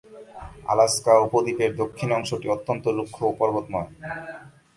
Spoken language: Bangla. আলাস্কা উপদ্বীপের দক্ষিণ অংশটি অত্যন্ত রুক্ষ ও পর্বতময়।